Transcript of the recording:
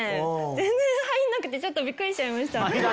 全然入らなくてちょっとびっくりしました。